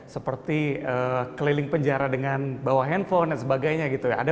seperti keliling penjara dengan bawa handphone dan sebagainya gitu ya